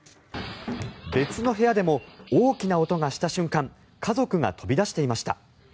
別の部屋でも大きな音がした瞬間家族が飛び出していました。